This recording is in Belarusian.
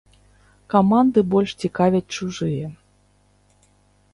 Каманды больш цікавяць чужыя.